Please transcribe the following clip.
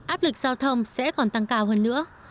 áp lực giao thông sẽ còn tăng cao hơn nữa